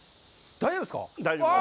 大丈夫です。